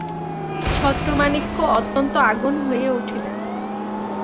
ছত্রমাণিক্য অত্যন্ত আগুন হইয়া উঠিলেন।